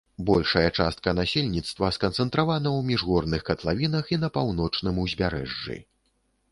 Большая частка насельніцтва сканцэнтравана ў міжгорных катлавінах і на паўночным узбярэжжы.